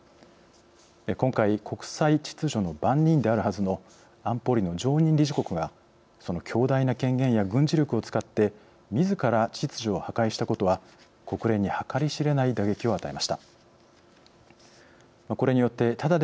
今回国際秩序の番人であるはずの安保理の常任理事国がその強大な権限や軍事力を使ってみずから秩序を破壊したことは国連に計り知れない打撃を与えました。